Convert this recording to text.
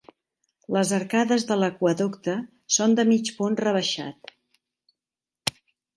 Les arcades de l'aqüeducte són de mig punt rebaixat.